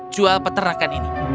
jual peternakan ini